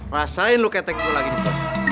rasain lo ketek gue lagi nih bos